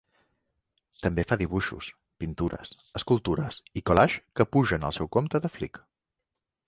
També fa dibuixos, pintures, escultures i collages que puja en el seu compte de Flickr.